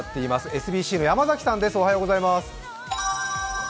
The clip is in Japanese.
ＳＢＣの山崎さんです。